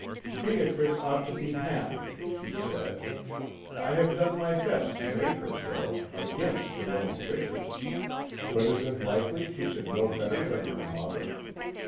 "'Beatrice ought to be happy,' she said; 'I have done my best to make her so against her own wishes! But is it likely she should know better than her mother?